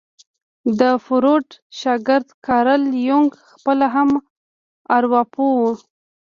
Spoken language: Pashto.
د فروډ شاګرد کارل يونګ خپله هم ارواپوه وو.